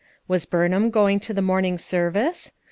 Was Buriiham going to the morning service?